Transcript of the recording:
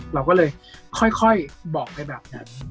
เราก็เลยค่อยบอกไปแบบนั้น